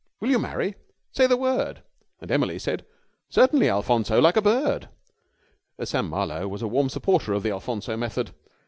Will you marry? Say the word!' And Emily said: 'Certainly, Alphonso, like a bird!'" Sam Marlowe was a warm supporter of the Alphonso method.